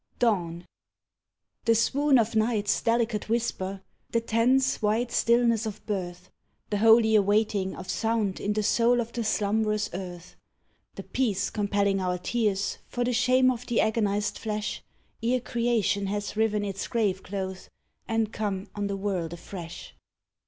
DAWN THE swoon of night's delicate whisper, the tense wide still ness of birth, The holy awaiting of sound in the soul of the slumberous earth, The peace compelling our tears for the shame of the agon ized flesh, Ere creation has riven its grave clothes and come on the world afresh.